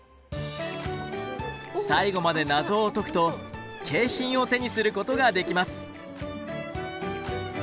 最後まで謎を解くと景品を手にすることができます。